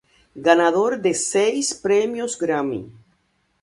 Ganador de seis Premios Grammy.